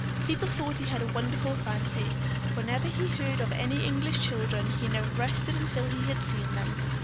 People thought he had a wonderful fancy; whenever he heard of any English children, he never rested until he had seen them.